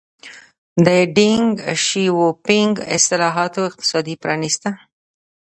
د ډینګ شیاوپینګ اصلاحاتو اقتصاد پرانیسته.